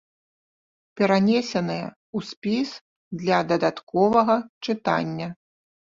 Перанесеныя ў спіс для дадатковага чытання.